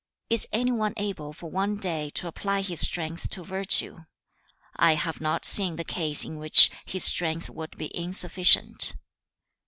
2. 'Is any one able for one day to apply his strength to virtue? I have not seen the case in which his strength would be insufficient.